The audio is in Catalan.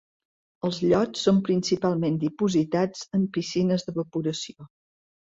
Els llots són principalment dipositats en piscines d’evaporació.